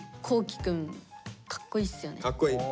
かっこいい。